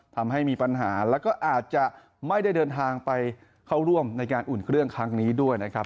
ทำให้มีปัญหาแล้วก็อาจจะไม่ได้เดินทางไปเข้าร่วมในการอุ่นเครื่องครั้งนี้ด้วยนะครับ